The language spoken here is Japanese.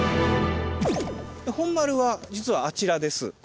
本丸は実はあちらです。